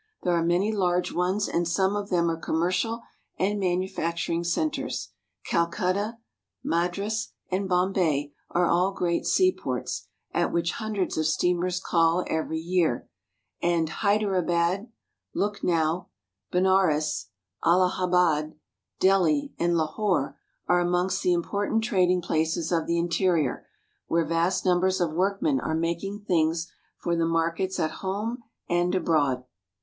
There are many large ones, and some of them are com mercial and manufacturing centers. Calcutta, Madras, and Bombay are all great seaports, at which hundreds of steamers call every year; and Haiderabad (hi dar a bad'), Luck now, Benares (ben a'rez), Allahabad (al a ha bad'), Delhi (del'e), and Lahore (la hor') are amongst the important trad ing places of the interior, where vast numbers of workmen are making things for the markets at home and abroad.